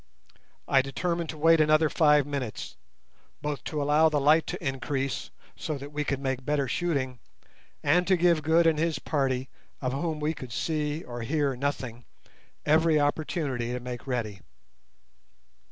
I determined to wait another five minutes, both to allow the light to increase, so that we could make better shooting, and to give Good and his party—of whom we could see or hear nothing—every opportunity to make ready.